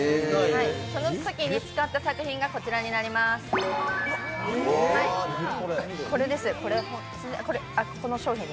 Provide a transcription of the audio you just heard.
そのときの作品がこちらになりますね。